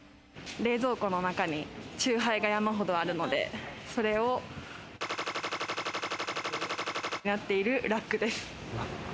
冷蔵庫の中に酎ハイが山ほどあるので、それをなっているラックです。